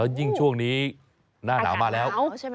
และยิ่งช่วงนี้หน้าหนาวมาแล้ว